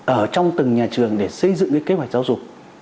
ở trong từng nhà trường để xây dựng cái kế hoạch giáo dục